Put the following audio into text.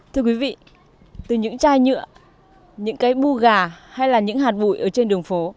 thưa quý vị từ những chai nhựa những cây bu gà hay là những hạt bụi ở trên đường phố